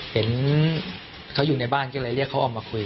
เห็นเค้าอยู่ในบ้านก็เลยเรียกเค้าออกไปแบบนี้แล้ว